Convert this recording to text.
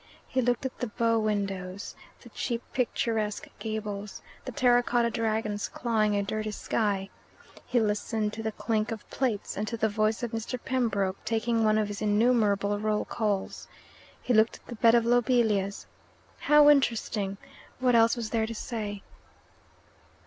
He looked at the bow windows, the cheap picturesque gables, the terracotta dragons clawing a dirty sky. He listened to the clink of plates and to the voice of Mr. Pembroke taking one of his innumerable roll calls. He looked at the bed of lobelias. How interesting! What else was there to say?